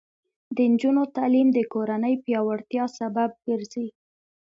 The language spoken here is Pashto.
د نجونو تعلیم د کورنۍ پیاوړتیا سبب ګرځي.